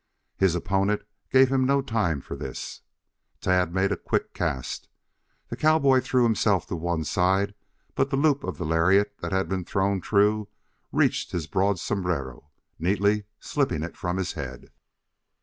His opponent gave him no time for this. Tad made a quick cast. The cowboy threw himself to one side, but the loop of the lariat that had been thrown true reached his broad sombrero, neatly snipping it from his head.